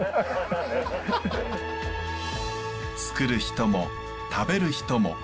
つくる人も食べる人も。